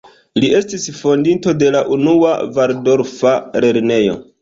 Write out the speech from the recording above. Li estis fondinto de la unua valdorfa lernejo.